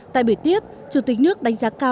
tại biểu tiếp chủ tịch nước đánh giá cao